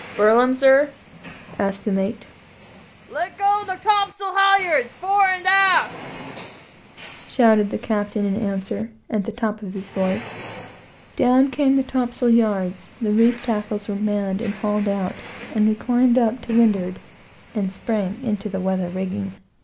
"Furl 'em, sir?" asked the mate. "Let go the topsail halyards, fore and aft!" shouted the captain, in answer, at the top of his voice. Down came the topsail yards, the reef tackles were manned and hauled out, and we climbed up to windward, and sprang into the weather rigging.